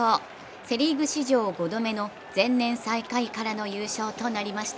セ・リーグ史上５度目の前年最下位からの優勝となりました。